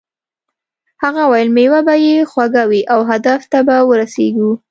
هغه وویل میوه به یې خوږه وي او هدف ته به ورسیږې.